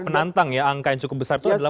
penantang ya angka yang cukup besar itu adalah